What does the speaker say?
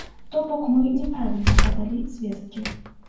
То бок мы няправільна падалі звесткі.